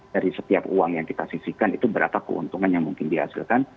dari setiap uang yang kita sisihkan itu berapa keuntungan yang mungkin dihasilkan